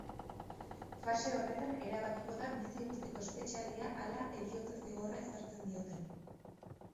Fase horretan erabakiko da bizi guztiko espetxealdia ala heriotza zigorra ezartzen dioten.